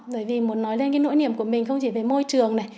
bởi vì muốn nói lên nỗi niềm của mình không chỉ về môi trường